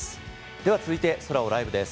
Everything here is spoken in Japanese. では続いて「ソラをライブ」です。